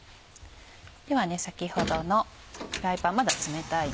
では先ほどのフライパンまだ冷たい。